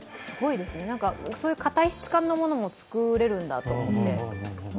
すごいですね、そういう硬い質感のものも作れるんだと思って。